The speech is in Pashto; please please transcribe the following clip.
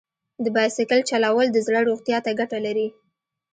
د بایسکل چلول د زړه روغتیا ته ګټه لري.